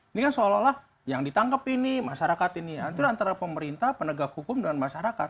ini kan seolah olah yang ditangkap ini masyarakat ini itu antara pemerintah penegak hukum dengan masyarakat